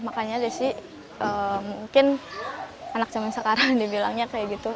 makanya desi mungkin anak zaman sekarang dibilangnya kayak gitu